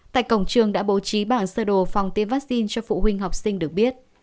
tại cổng trường đã bố trí bảng sơ đồ phòng tiêm vaccine cho phụ huynh học sinh được biết